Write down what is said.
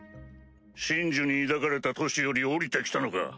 神樹に抱かれた都市より降りて来たのか？